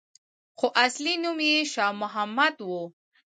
خو اصلي نوم یې شا محمد وو.